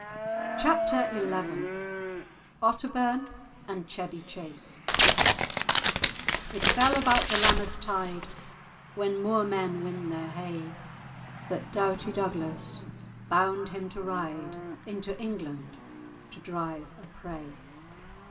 *Chapter XI* *Otterbourne and Chevy Chase* "It fell about the Lammas tide, When moor men win their hay, The doughty Douglas bound him to ride Into England, to drive a prey."